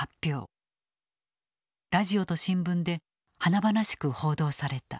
ラジオと新聞で華々しく報道された。